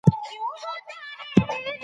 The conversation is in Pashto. کيسه ييز سبک د لوستلو جذب زياتوي.